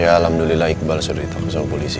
ya alhamdulillah iqbal sudah ditangkap sama polisi